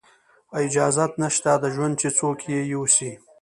اجازت نشته د ژوند چې څوک یې یوسي